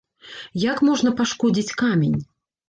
Як можна пашкодзіць камень?